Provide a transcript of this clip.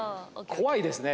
怖いですね。